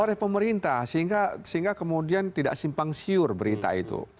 oleh pemerintah sehingga kemudian tidak simpang siur berita itu